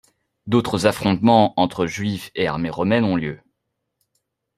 D'autres affrontements entre Juifs et armée romaine ont lieu.